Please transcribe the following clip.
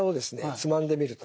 つまんでみると。